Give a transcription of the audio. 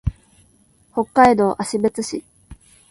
北海道芦別市